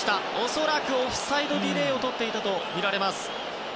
恐らくオフサイドディレイをとっていたとみられます。